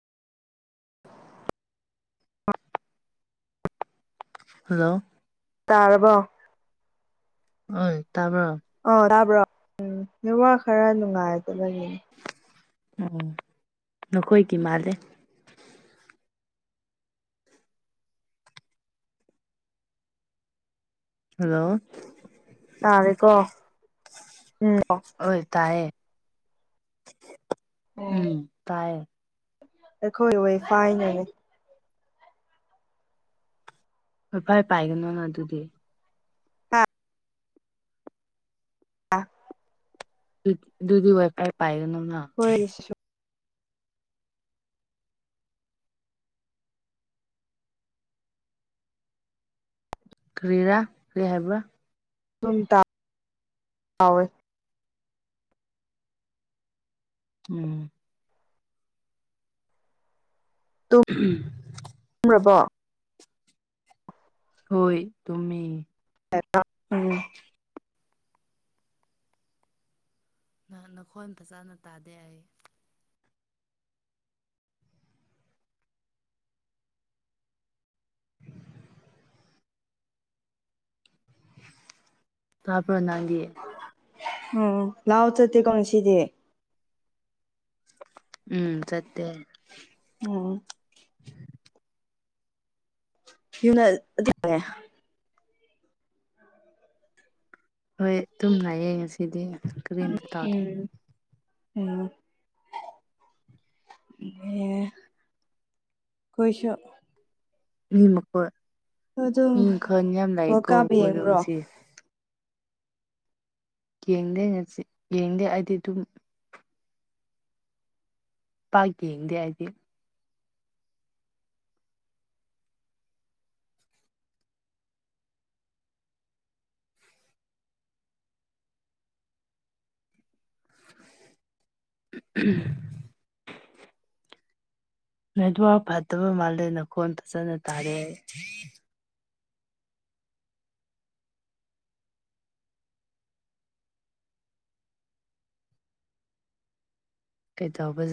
[inaudible] Hello ꯇꯥꯔꯕꯣ ꯑꯣ ꯇꯥꯕ꯭ꯔꯣ ꯑꯣ ꯇꯥꯕ꯭ꯔꯣ ꯎꯝ ꯅꯦꯋꯥꯛ ꯈꯔ ꯅꯨꯉꯥꯏꯇꯕꯒꯤꯟ ꯅꯈꯣꯏꯒꯤ ꯃꯥꯜꯂꯦ ꯍꯜꯂꯣ ꯇꯥꯔꯦꯀꯣ ꯎꯝ ꯑꯣꯏ ꯇꯌꯦ ꯎꯝ ꯇꯌꯦ ꯑꯩꯈꯣꯏ ꯋꯥꯏꯐꯥꯏꯅꯅꯤ ꯀꯣꯏꯄꯥꯏ ꯄꯥꯏꯒꯅꯨꯅꯥ ꯑꯗꯨꯗꯤ ꯍꯥ [inaudible] ꯗꯨꯗꯤ ꯋꯥꯏꯐꯥꯏ ꯄꯥꯏꯒꯅꯨꯅꯥ ꯍꯣꯏ ꯀ꯭ꯔꯤꯔꯥ ꯀ꯭ꯔꯤ ꯍꯥꯏꯕ꯭ꯔꯥ [inaudible] ꯎꯝ ꯎꯍꯝ꯫ ꯇꯨꯝꯒ꯭ꯔꯕꯣ? ꯍꯣꯏ ꯇꯨꯃꯦ꯫ [unintelligible] ꯎꯝ꯫ ꯅꯍꯥꯟ ꯅꯈꯣꯏ ꯑꯝꯇ ꯐꯖꯅ ꯇꯥꯗꯦ ꯍꯥꯏꯌꯦ꯫ [unintelligible] ꯇꯥꯕ꯭ꯔꯣ ꯅꯪꯗꯤ꯫ ꯎꯝ ꯂꯥꯎꯠ ꯆꯠꯇꯦ ꯀꯥꯟꯁꯤꯗꯤ꯫ ꯎꯝ ꯆꯠꯇꯦ꯫ ꯎꯝ꯫ ꯃꯤꯅꯠ [inaudible] ꯑꯗꯨꯏꯅꯦ꯫ ꯍꯣꯏ ꯑꯗꯨꯨꯝ ꯂꯩꯌꯦ ꯉꯁꯤꯗꯤ ꯀ꯭ꯔꯤꯝꯇ ꯇꯥꯎꯗꯦ꯫ ꯎꯝ ꯎꯝ꯫ ꯑꯦ ꯈꯣꯏꯁꯨ꯫ ꯃꯤ ꯃꯈꯣꯏ ꯑꯗꯨꯝ ꯃꯤ ꯃꯈꯜ ꯌꯥꯝ ꯋꯥꯔꯜ ꯂꯥꯛꯑꯦꯀꯣ ꯀꯞ ꯑꯩꯏꯗꯣ ꯌꯦꯡꯕ꯭ꯔꯣ ꯉꯁꯤ꯫ ꯌꯦꯡꯗꯦ ꯉꯁꯤ ꯌꯦꯡꯗꯦ ꯑꯩꯗꯤ ꯑꯗꯨꯝ ꯄꯥꯛ ꯌꯦꯡꯗꯦ ꯑꯩꯗꯤ꯫ [unintelligible] ꯅꯦꯠꯋꯥꯔꯛ ꯐꯠꯇꯕ ꯃꯥꯜꯂꯦ ꯅꯈꯣꯟ ꯐꯖꯅ ꯇꯥꯌꯦ꯫ [inaudible] ꯀꯩ ꯇꯧꯕ ꯖ